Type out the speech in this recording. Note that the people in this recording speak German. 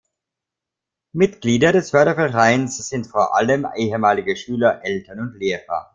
Mitglieder des Fördervereins sind vor allem ehemalige Schüler, Eltern und Lehrer.